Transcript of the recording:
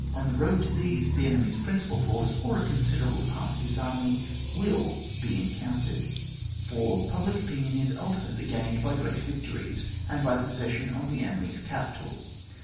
On the road to these, Qie enemy's principal force, or a considerable part of his army, will be encountered. 4. Public opinion is ultimately gained by great Tictories, and by the possession of the enemy's capital.